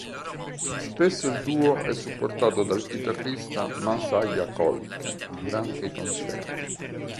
Spesso il duo è supportato dal chitarrista Masaya Koike durante i concerti.